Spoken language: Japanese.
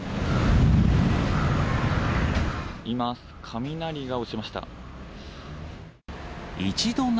今、雷が落ちました。